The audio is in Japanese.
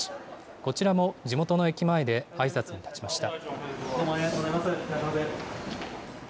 こちらも地元の駅前であいさつに立ちました。